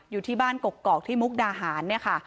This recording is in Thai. อยู่ที่บ้านกกอกที่มุกดาหารเนี่ยค่ะ